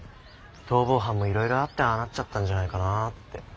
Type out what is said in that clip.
逃亡犯もいろいろあってああなっちゃったんじゃないかなあって。